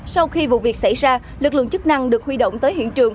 sau khi vụ việc xảy ra lực lượng chức năng được huy động tới hiện trường